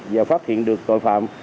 và phát hiện được cội phạm